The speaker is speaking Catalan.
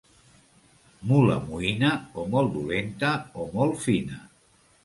Mula moïna, o molt dolenta o molt fina.